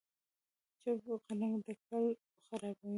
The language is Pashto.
چپ قلم لیکل خرابوي.